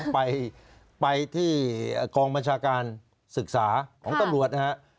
ไปที่กองบัญชาการศึกษาของตำรวจนะครับ